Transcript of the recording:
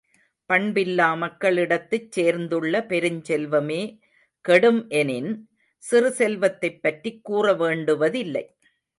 பண்பில்லா மக்களிடத்துச் சேர்ந்துள்ள பெருஞ்செல்வமே கெடும் எனின், சிறு செல்வத்தைப் பற்றிக் கூறவேண்டுவதில்லை.